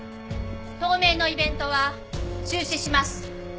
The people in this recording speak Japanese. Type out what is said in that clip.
当面のイベントは中止します。